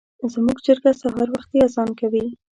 زموږ چرګه سهار وختي اذان کوي.